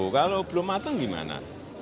kalau belum matang gimana